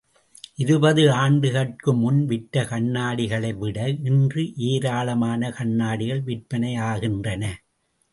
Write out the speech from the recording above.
இருபது ஆண்டுகட்குமுன் விற்ற கண்ணாடிகளைவிட இன்று ஏராளமான கண்ணாடிகள் விற்பனையாகின்றன.